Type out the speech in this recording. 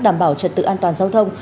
đảm bảo trật tự an toàn giao thông